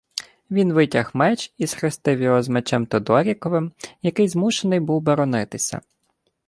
Він витяг меч і схрестив його з Мечем Тодоріковим, який змушений був боронитися.